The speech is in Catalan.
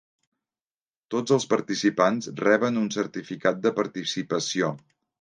Tots els participants reben un certificat de participació.